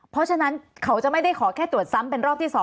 เพราะฉะนั้นเขาจะไม่ได้ขอแค่ตรวจซ้ำเป็นรอบที่๒